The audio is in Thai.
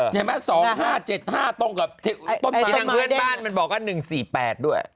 เห็นไหมสองห้าเจ็ดห้าตรงกับที่ทางเพื่อนบ้านมันบอกว่าหนึ่งสี่แปดด้วย